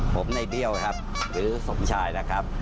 ผมในเบี้ยวครับหรือสมชายนะครับ